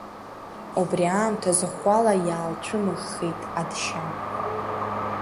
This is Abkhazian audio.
Убри аамҭаз ӷәӷәала иаалцәымыӷххеит Адшьа.